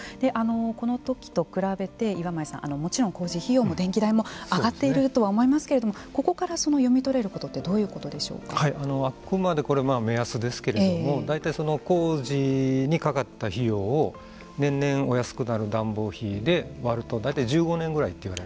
この時と比べて岩前さん、もちろん工事費用も電気代も上がっているとは思いますけどもここから読み取れることってあくまでこれは目安ですけれども大体、工事にかかった費用を年々お安くなる暖房費で割ると大体１５年ぐらいと。